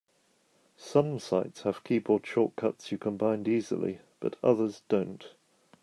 Some sites have keyboard shortcuts you can bind easily, but others don't.